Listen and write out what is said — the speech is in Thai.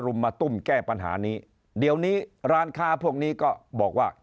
มาตุ้มแก้ปัญหานี้เดี๋ยวนี้ร้านค้าพวกนี้ก็บอกว่า